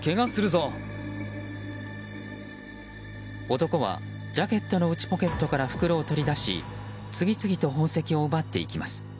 男は、ジャケットの内ポケットから袋を取り出し次々と宝石を奪っていきます。